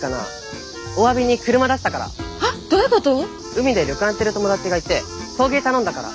海で旅館やってる友達がいて送迎頼んだから。